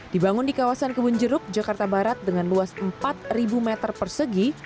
dibangun di kawasan kebun jeruk jakarta barat dengan luas empat meter persegi